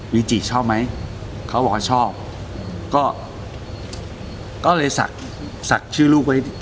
วิจิชอบมั้ยเขาบอกว่าชอบ